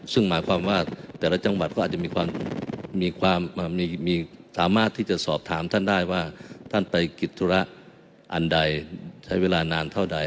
ซึ่งหมายความว่าแต่ละจังหวัดก็อาจจะมีความสามารถที่จะสอบถามท่านได้ว่าท่านไปกิจธุระอันใดใช้เวลานานเท่าใด